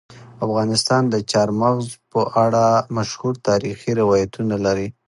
افغانستان د چار مغز په اړه مشهور تاریخی روایتونه لري.